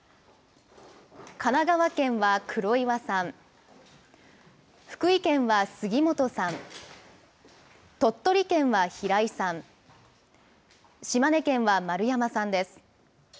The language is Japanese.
神奈川県は黒岩さん、福井県は杉本さん、鳥取県は平井さん、島根県は丸山さんです。